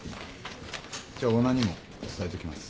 じゃあオーナーにも伝えときます。